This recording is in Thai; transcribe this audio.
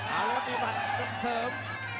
เอาแล้วก็ตีมันกับเสริม